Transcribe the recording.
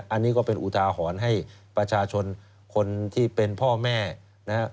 อันนี้ก็เป็นอุทาหรณ์ให้ประชาชนคนที่เป็นพ่อแม่นะครับ